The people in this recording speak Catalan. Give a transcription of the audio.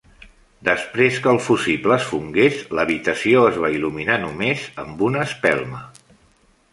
Després que el fusible es fongués, l'habitació es va il·luminar només amb una espelma.